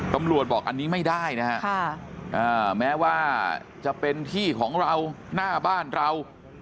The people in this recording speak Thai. ตำรวจบอกอันนี้ไม่ได้นะฮะแม้ว่าจะเป็นที่ของเราหน้าบ้านเรา